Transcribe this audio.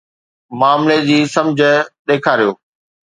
معاملي جي سمجھ ڏيکاريو.